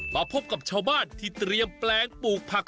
มาพบกับชาวบ้านที่เตรียมแปลงปลูกผัก